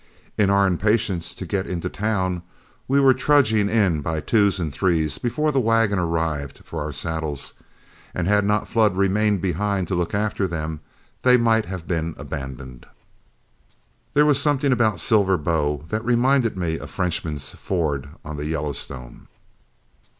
In our impatience to get into town, we were trudging in by twos and threes before the wagon arrived for our saddles, and had not Flood remained behind to look after them, they might have been abandoned. There was something about Silver Bow that reminded me of Frenchman's Ford on the Yellowstone.